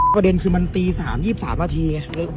ประเด็นคือกิโน้ทที่๓๒๓ม